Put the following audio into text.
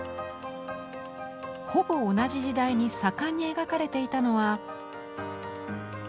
ほぼ同じ時代に盛んに描かれていたのは。